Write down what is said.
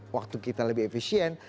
waktu kita lebih efisien